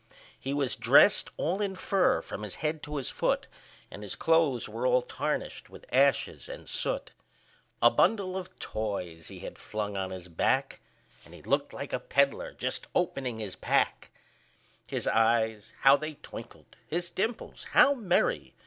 He was dressed all in fur from his head to his foot, And his clothes were all tarnished with ashes and soot; A bundle of toys he had flung on his back, And he looked like a peddler just opening his pack; His eyes how they twinkled! his dimples how merry!